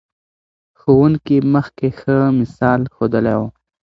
ښوونکي مخکې ښه مثال ښودلی و.